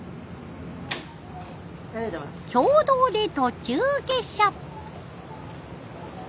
経堂で途中下車。